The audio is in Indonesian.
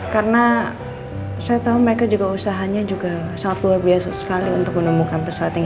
karena saya tahu mereka juga usahanya juga sangat luar biasa sekali untuk menemukan pesawat yang ini